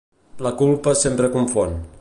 La culpa sempre confon.